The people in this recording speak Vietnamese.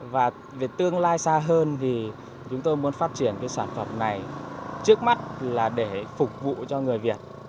và tương lai xa hơn thì chúng tôi muốn phát triển cái sản phẩm này trước mắt là để phục vụ cho người việt